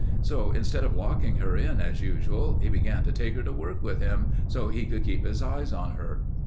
So instead of locking her in as usual, he began to take her to work with him so he could keep his eyes on her.